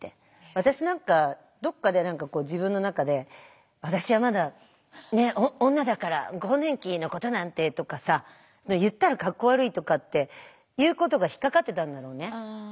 私何かどっかで何かこう自分の中で「私はまだ女だから更年期のことなんて」とかさ言ったら格好悪いとかっていうことが引っかかってたんだろうね。